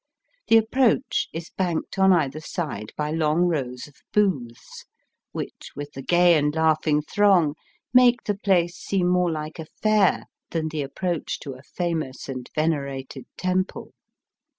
The approach is banked on either side by long rows of booths, which, with the gay and laughing throng, make the place seem more like a fair than the approach to a famous and venerated temple.